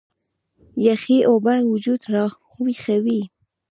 يخې اوبۀ وجود راوېخوي